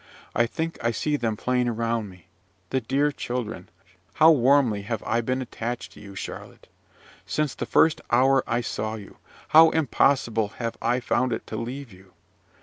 I think I see them playing around me. The dear children! How warmly have I been attached to you, Charlotte! Since the first hour I saw you, how impossible have I found it to leave you.